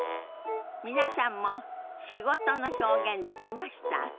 皆さんも「仕事」の表現できました？